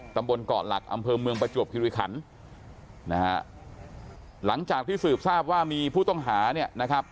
ตำบลเกาะหลักอำเภอเมืองประจวบคิริขันนะฮะหลังจากที่สืบทราบว่ามีผู้ต้องหาเนี่ยนะครับ